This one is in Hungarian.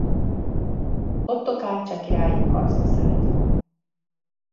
Ottokár cseh király harcba szállt.